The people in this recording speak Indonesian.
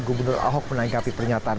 gubernur ahok menangkapi pernyataan